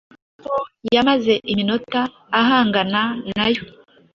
aho yamaze iminota ahangana na yo